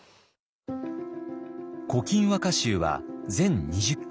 「古今和歌集」は全２０巻。